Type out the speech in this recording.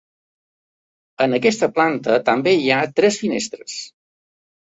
En aquesta planta també hi ha tres finestres.